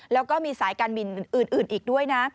แล้วก็มีสายการบินอื่นอีกด้วยนะ